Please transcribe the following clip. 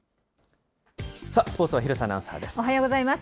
スポーツは廣瀬アナウンサーです。